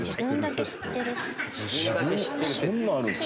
そんなのあるんですか？